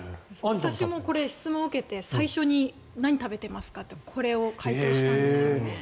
私も質問受けて何食べてますかってこれを回答したんですよね。